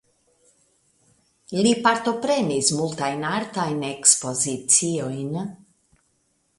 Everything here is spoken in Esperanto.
Li partoprenis multajn artajn ekspoziciojn.